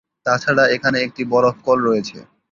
তাছাড়া এখানে একটি বরফ কল রয়েছে।